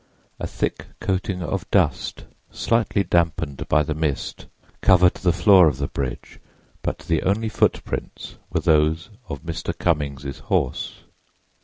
A thick coating of dust, slightly dampened by the mist, covered the floor of the bridge, but the only footprints were those of Mr. Cummings' horse.